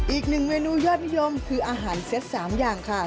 อีกหนึ่งเมนูยอดนิยมคืออาหารเซ็ต๓อย่างค่ะ